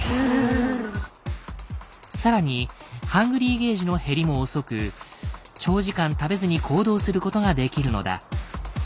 更に「ＨＵＮＧＲＹ」ゲージの減りも遅く長時間食べずに行動することができるのだ。